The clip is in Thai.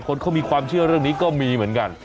คนเขามีความเชื่อเรื่องนี้ก็มีเหมือนกัน